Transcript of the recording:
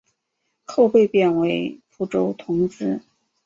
后被贬为蒲州同知。